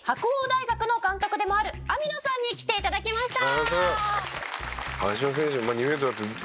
大学の監督でもある網野さんに来て頂きました。